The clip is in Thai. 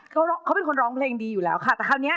เขาเป็นคนร้องเพลงดีอยู่แล้วค่ะแต่คราวนี้